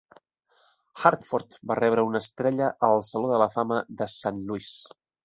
Hartford va rebre una estrella al saló de la fama de Saint Louis.